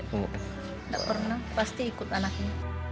tidak pernah pasti ikut anaknya